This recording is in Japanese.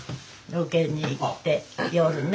ロケに行って夜ね。